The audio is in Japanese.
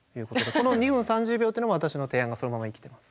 この２分３０秒っていうのは私の提案がそのまま生きてます。